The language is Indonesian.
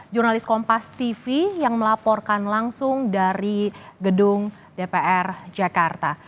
jurnalis kompas tv yang melaporkan langsung dari gedung dpr jakarta